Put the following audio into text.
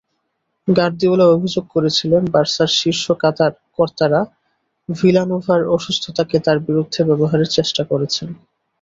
Guardiola অভিযোগ করেছিলেন, বার্সার শীর্ষ কর্তারা ভিলানোভার অসুস্থতাকে তাঁর বিরুদ্ধে ব্যবহারের চেষ্টা করেছেন।